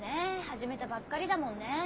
始めたばっかりだもんね。